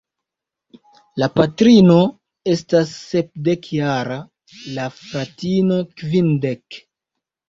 La patrino estas sepdekjara, la fratino kvindek.